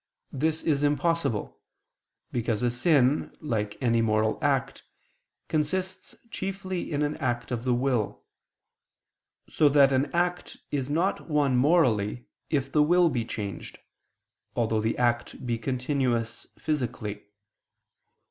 This is impossible: because a sin, like any moral act, consists chiefly in an act of the will: so that an act is not one morally, if the will be changed, although the act be continuous physically.